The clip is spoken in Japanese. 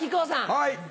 はい。